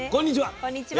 こんにちは。